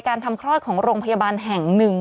ทำคลอดของโรงพยาบาลแห่งหนึ่ง